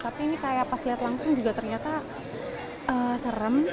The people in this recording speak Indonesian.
tapi ini kayak pas lihat langsung juga ternyata serem